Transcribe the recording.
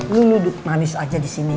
lu duduk manis aja disini